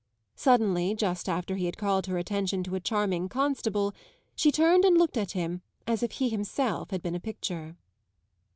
Suddenly, just after he had called her attention to a charming Constable, she turned and looked at him as if he himself had been a picture.